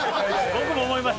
僕も思いました。